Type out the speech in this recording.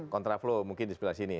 contra flow mungkin di sebelah sini